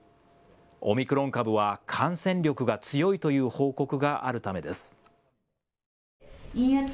オミクロン株は感染力が強いという報告があるためです。